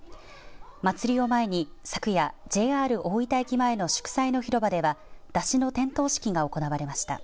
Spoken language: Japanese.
祭りを前に昨夜ＪＲ大分駅前の祝祭の広場では山車の点灯式が行われました。